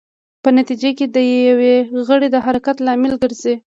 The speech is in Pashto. په نتېجه کې د یو غړي د حرکت لامل ګرځي.